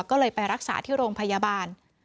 ก็เลยไปรักษาที่โรงพยาบาล